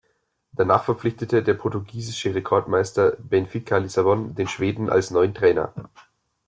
Danach verpflichtete der portugiesische Rekordmeister Benfica Lissabon den Schweden als neuen Trainer.